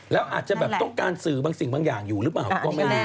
แล้วอาจจะแบบต้องการสื่อบางสิ่งบางอย่างอยู่หรือเปล่าก็ไม่รู้